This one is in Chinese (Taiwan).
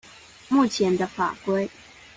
目前的法規